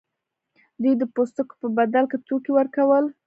دوی د پوستکو په بدل کې توکي ورکول.